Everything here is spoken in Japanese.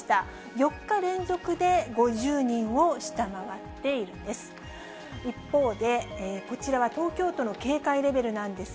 ４日連続で５０人を下回っているんです。